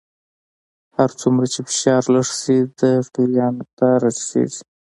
هر څومره چې فشار لږ شي د غلیان نقطه را ټیټیږي.